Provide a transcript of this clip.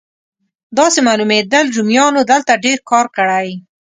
داسې معلومېدل رومیانو دلته ډېر کار کړی.